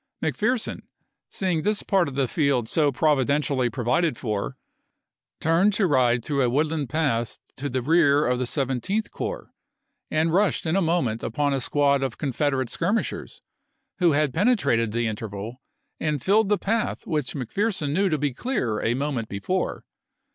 McPherson, seeing this part of the field so providen ATLANTA 271 tially provided for, turned to ride through a wood chap, xil land path to the rear of the Seventeenth Corps, and rushed in a moment upon a squad of Confederate skirmishers, who had penetrated the interval, and filled the path which McPherson knew to be clear a moment before.